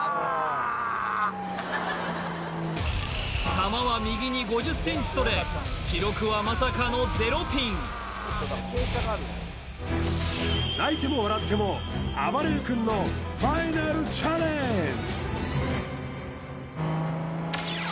球は右に５０ｃｍそれ記録はまさかの０ピン泣いても笑ってもあばれる君のファイナルチャレンジ